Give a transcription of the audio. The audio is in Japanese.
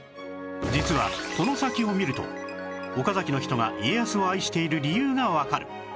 この先を見ると岡崎の人が家康を愛している理由がわかる